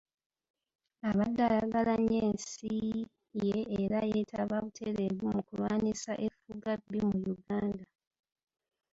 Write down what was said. Abadde ayagala nnyo ensi ye era yeetaba butereevu mu kulwanyisa effugabbi mu Uganda.